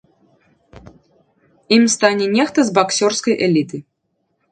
Ім стане нехта з баксёрскай эліты.